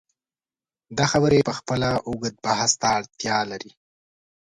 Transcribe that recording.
دا خبرې پخپله اوږد بحث ته اړتیا لري.